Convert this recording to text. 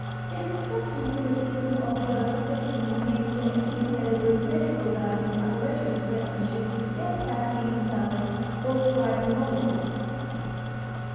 His destructive criticism of works of fiction became so acute that it was natural that his unlettered friends should sug gest that he himself ought to write a novel.